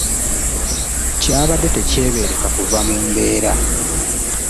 Kyabadde tekyebeereka okuva mu mbeera.